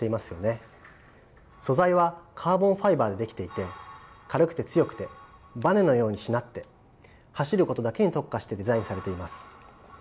素材はカーボンファイバーで出来ていて軽くて強くてバネのようにしなって走ることだけに特化してデザインされています。